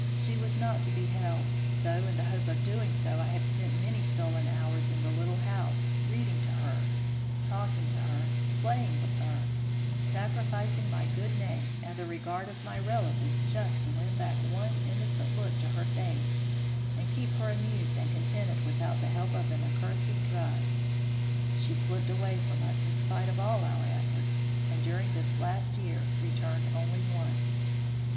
She was not to be held, though in the hope of doing so I have spent many stolen hours in the little house, reading to her, talking to her, playing with her, sacrificing my good name and the regard of my relatives just to win back one innocent look to her face and keep her amused and contented without the help of the accursed drug. She slipped away from us in spite of all our efforts, and during this last year returned only once.